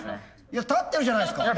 いや立ってるじゃないですか！